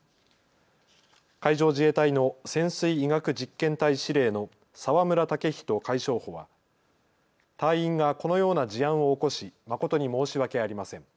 海上自衛隊の潜水医学実験隊司令の澤村岳人海将補は隊員がこのような事案を起こし誠に申し訳ありません。